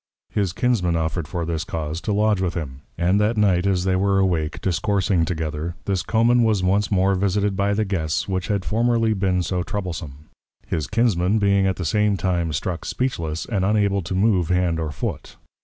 His Kinsman offered for this cause to lodge with him; and that Night, as they were awake, discoursing together, this Coman was once more visited by the Guests which had formerly been so troublesom; his Kinsman being at the same time struck speechless, and unable to move Hand or Foot.